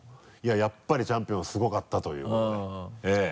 やっぱりチャンピオンすごかったということで。